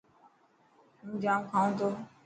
هون ڄام کائون تو.